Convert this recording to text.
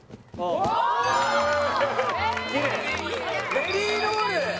ベリーロール。